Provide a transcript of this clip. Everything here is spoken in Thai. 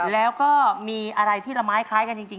แล้วก็มีอะไรที่ละไม้คล้ายกันจริง